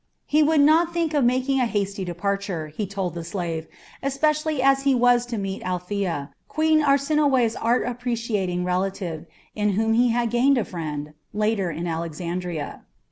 He would not think of making a hasty departure, he told the slave, especially as he was to meet Althea, Queen Arsinoe's art appreciating relative, in whom he had gained a friend, later in Alexandria.